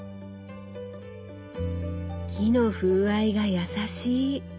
木の風合いが優しい。